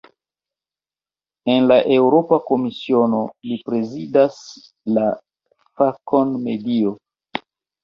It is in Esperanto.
En la Eŭropa Komisiono li prezidas la fakon "medio".